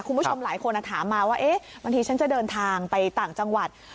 คุณผู้ชมหลายคนถามมาว่าบางทีฉันจะเดินทางไปต่างจังหวัด